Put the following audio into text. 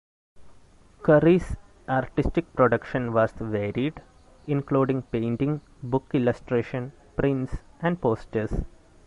Curry's artistic production was varied, including painting, book illustration, prints and posters.